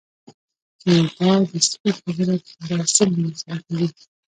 چې دا د سپي خبره به څنګه ورسره کوي.